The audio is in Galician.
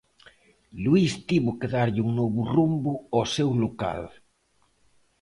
Luís tivo que darlle un novo rumbo ao seu local.